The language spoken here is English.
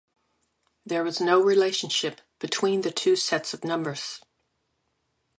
There was no relationship between the two sets of numbers.